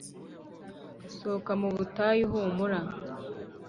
sohoka mu butayu humura!